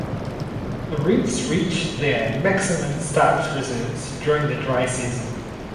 The roots reach their maximum starch reserves during the dry season.